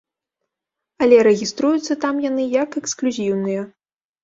Але рэгіструюцца там яны як эксклюзіўныя.